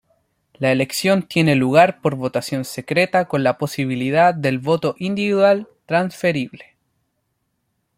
La elección tiene lugar por votación secreta con la posibilidad del voto individual transferible.